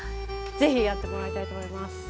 是非やってもらいたいと思います。